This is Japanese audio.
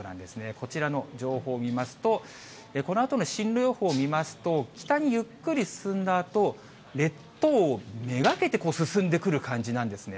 こちらの情報を見ますと、このあとの進路予報を見ますと、北にゆっくり進んだあと、列島目がけて進んでくる感じなんですね。